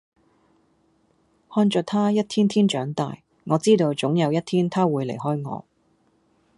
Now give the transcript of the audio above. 看着他一天天長大，我知道總有一天他會離開我